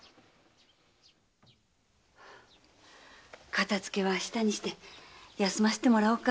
片づけは明日にして休ませてもらおうか。